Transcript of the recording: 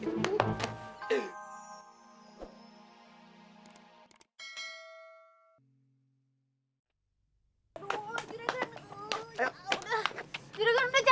juregan udah capek